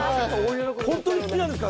ホントに好きなんですか？